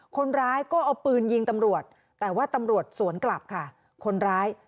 คนร้ายก็เอาปืนยิงตำรวจแต่ว่าตำรวจสวนกลับค่ะคนร้าย